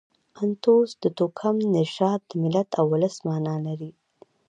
انتوس د توکم، نژاد، د ملت او اولس مانا لري.